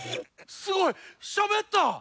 すごい！しゃべった！